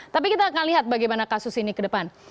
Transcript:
tapi kita akan lihat bagaimana kasus ini ke depan